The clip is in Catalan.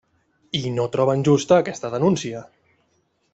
I no troben justa aquesta denúncia.